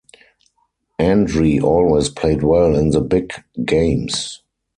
Andrie always played well in the big games.